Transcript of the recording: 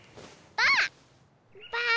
ばあ！